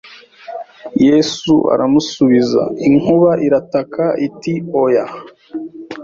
Yesu aramusubiza inkuba irataka iti oya